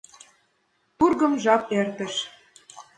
Тургым жап эртыш.